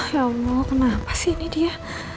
ya allah kenapa sih ini dia